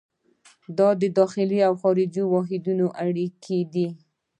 دا د داخلي او خارجي واحدونو اړیکې دي.